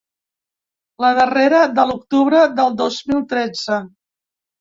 La darrera, de l’octubre del dos mil tretze.